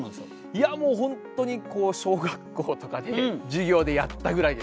いやもう本当に小学校とかで授業でやったぐらいです。